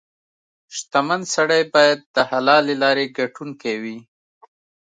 • شتمن سړی باید د حلالې لارې ګټونکې وي.